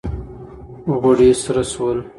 غوړي سره سول